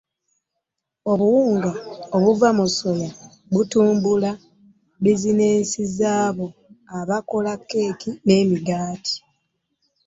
Obuwunga obuva mu soya butumbula bizineesi z'abo abakola keeki n'emigaati.